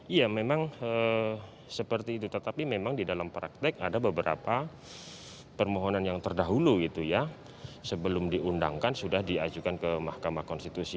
iya memang seperti itu tetapi memang di dalam praktek ada beberapa permohonan yang terdahulu gitu ya sebelum diundangkan sudah diajukan ke mahkamah konstitusi